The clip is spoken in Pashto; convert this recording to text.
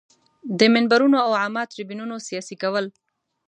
د منبرونو او عامه تریبیونونو سیاسي کول.